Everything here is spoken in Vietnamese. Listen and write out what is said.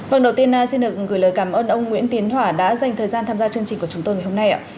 vâng đầu tiên xin được gửi lời cảm ơn ông nguyễn tiến thỏa đã dành thời gian tham gia chương trình của chúng tôi ngày hôm nay